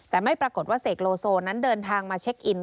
แต่ไม่ปรากฏว่าเสกโลโซนั้นเดินทางมาเช็คอิน